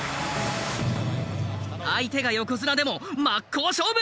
相手が横綱でも真っ向勝負。